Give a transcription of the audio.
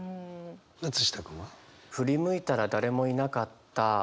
松下君は？